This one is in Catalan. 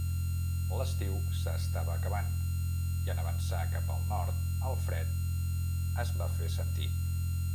L'estiu s'estava acabant i en avançar cap al nord el fred es va fer sentir.